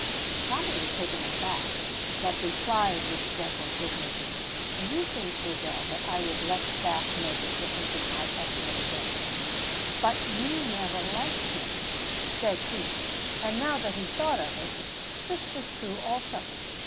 Tommy was taken aback, but replied, with gentle dignity, "Do you think, Grizel, I would let that make any difference in my estimate of him?" "But you never liked him," said she; and now that he thought of it, this was true also.